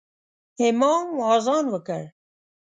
امام اذان وکړ